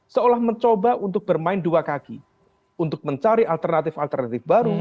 seolah mencoba untuk bermain dua kaki untuk mencari alternatif alternatif baru